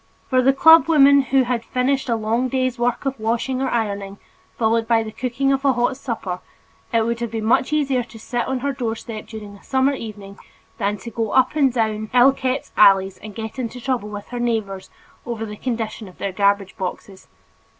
For the club woman who had finished a long day's work of washing or ironing followed by the cooking of a hot supper, it would have been much easier to sit on her doorstep during a summer evening than to go up and down ill kept alleys and get into trouble with her neighbors over the condition of their garbage boxes.